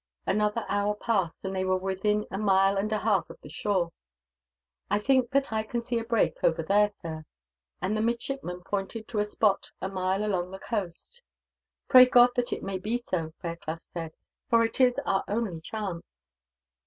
Another hour passed, and they were within a mile and a half of the shore. "I think that I can see a break, over there, sir," and the midshipman pointed to a spot a mile along the coast. "Pray God that it may be so," Fairclough said, "for it is our only chance."